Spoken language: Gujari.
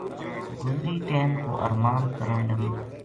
گزری ٹیم کو ارماند کرن لگی